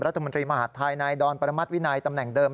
รัฐมนตรีมหาดไทยนายดอนประมาทวินัยตำแหน่งเดิม